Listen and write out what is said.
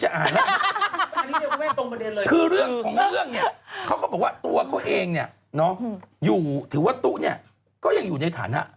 แล้วคุณตุ๊ก็ยังอยู่ในฐานะ